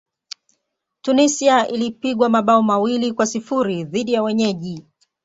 tunisia ilipigwa mabao mawili kwa sifuri dhidi ya wenyeji